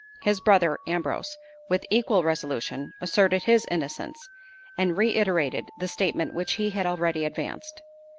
His brother Ambrose, with equal resolution, asserted his innocence, and reiterated the statement which he had already advanced.